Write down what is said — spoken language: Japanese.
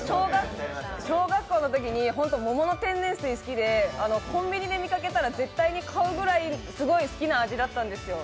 小学校のときに桃の天然水が好きでコンビニで見かけたら絶対に買うぐらいすごい好きな味だったんですよ。